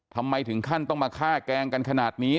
ทำไมถึงขั้นต้องมาฆ่าแกล้งกันขนาดนี้